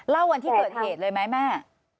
วันที่เกิดเหตุเลยไหมแม่